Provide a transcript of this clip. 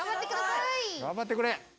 頑張ってくれ。